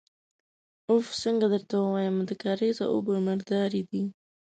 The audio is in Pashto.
اوف! څنګه درته ووايم، د کارېزه اوبه مردارې دي.